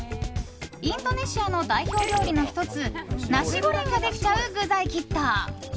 インドネシアの代表料理の１つナシゴレンができちゃう具材キット。